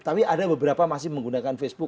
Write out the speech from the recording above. tapi ada beberapa masih menggunakan faceboo